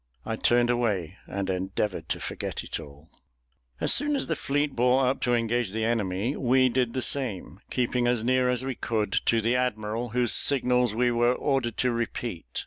I turned away, and endeavoured to forget it all. As soon as the fleet bore up to engage the enemy, we did the same, keeping as near as we could to the admiral, whose signals we were ordered to repeat.